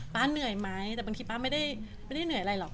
เหนื่อยไหมแต่บางทีป๊าไม่ได้เหนื่อยอะไรหรอก